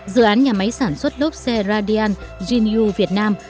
dự án nhà máy sản xuất lốp xe radian jinu việt nam